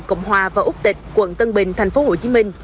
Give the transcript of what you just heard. cộng hòa và úc tịch quận tân bình tp hcm